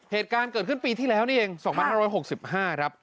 เหตุการณ์เกิดขึ้นปีที่แล้วนี่เอง๒๕๖๕ครับ